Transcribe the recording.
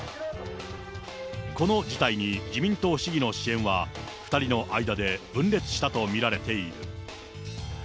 この事態に、自民党市議の支援は２人の間で分裂したと見られている。